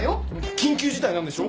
緊急事態なんでしょ？